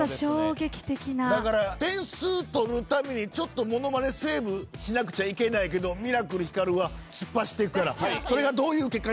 だから点数取るためにものまねセーブしなくちゃいけないけどミラクルひかるは突っ走っていくからそれがどういう結果になるか。